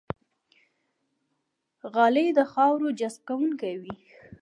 غالۍ د خاورو جذب کوونکې وي.